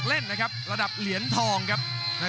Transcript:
กรุงฝาพัดจินด้า